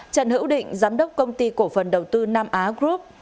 trần hữu định giám đốc công ty cổ phần đầu tư nam á group